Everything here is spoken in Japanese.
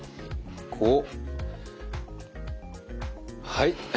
はい。